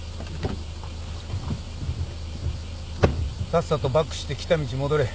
さっさとバックして来た道戻れ。